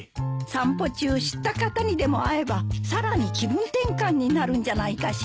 散歩中知った方にでも会えばさらに気分転換になるんじゃないかしら。